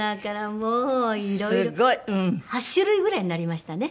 ８種類ぐらいになりましたね。